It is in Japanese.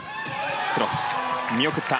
クロスを見送った。